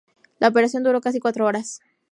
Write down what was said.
La operación duró casi cuatro horas.